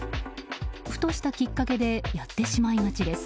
ふとしたきっかけでやってしまいがちです。